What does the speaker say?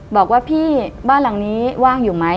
บอกว่าพี่บ้านหลังนี้ว่างอยู่ไหม